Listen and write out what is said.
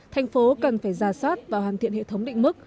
thành phố cần phải ra soát và hoàn thiện hệ thống định mức